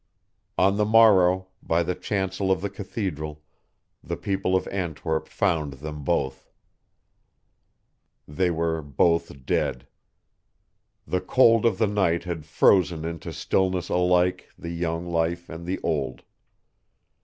On the morrow, by the chancel of the cathedral, the people of Antwerp found them both. They were both dead: the cold of the night had frozen into stillness alike the young life and the old.